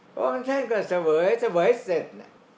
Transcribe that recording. พระองค์ท่านก็เสวยเสร็จ